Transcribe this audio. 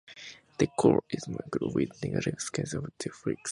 The core is marked with the negative scars of these flakes.